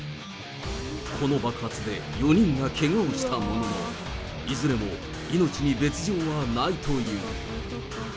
この爆発で４人がけがをしたものの、いずれも命に別状はないという。